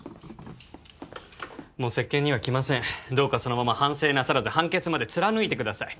もう接見には来ませんどうかそのまま反省なさらず判決まで貫いてください